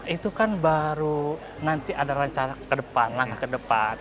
itu kan baru nanti ada rencana ke depan langkah ke depan